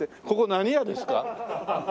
ここ何屋ですか？